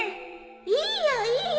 いいよいいよ。